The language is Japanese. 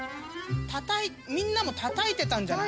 みんなもたたいてたんじゃない？